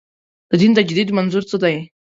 د دین تجدید منظور څه دی.